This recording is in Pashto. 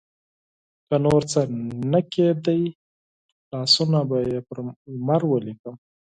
که نورڅه نه کیده، لاسونه به پر لمر ولیکم